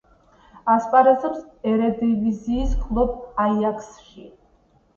ასპარეზობს ერედივიზიის კლუბ „აიაქსში“.